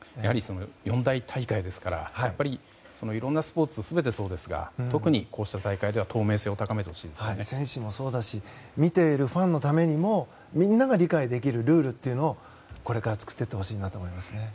四大大会ですからいろんなスポーツ全てそうですが特にこうした大会では選手もそうだし見ているファンのためにもみんなが理解できるルールというのをこれから作っていってほしいと思いますね。